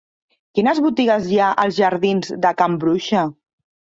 Quines botigues hi ha als jardins de Can Bruixa?